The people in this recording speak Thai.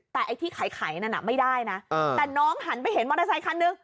แต่ไอ้ที่ไขนั่นน่ะไม่ได้นะแต่น้องหันไปเห็นมอเตอร์ไซคันนึง